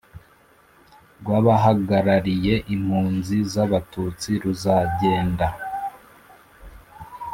rw'abahagarariye impunzi z'abatutsi ruzagenda.